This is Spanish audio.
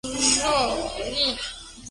Chukotka Region